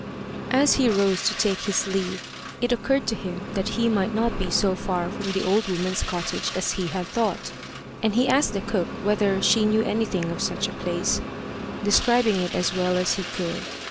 As he rose to take his leave, it occurred to him that he might not be so far from the old woman's cottage as he had thought, and he asked the cook whether she knew anything of such a place, describing it as well as he could.